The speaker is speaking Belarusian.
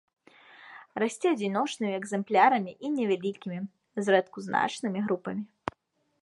Расце адзіночнымі экзэмплярамі і невялікімі, зрэдку значнымі групамі.